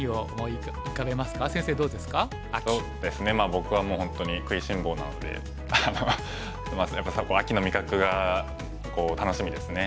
僕はもう本当に食いしん坊なので秋の味覚が楽しみですね。